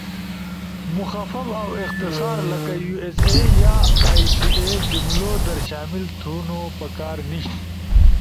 مخفف اؤ اختصار لکہ ”یو ایس اے“ یا ”ائی سی اے“ جملؤ در شامل تھونو پکار نیِش۔